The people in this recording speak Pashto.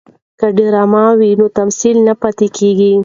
که ډرامه وي نو تمثیل نه پاتې کیږي.